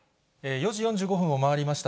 ４時４５分を回りました。